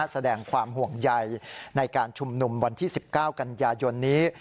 แสดงความห่วงใยในการชุมนุมวันที่๑๙กันยายนนี้